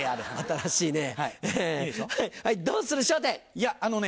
いやあのね